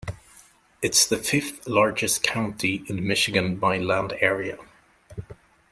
It is the fifth-largest county in Michigan by land area.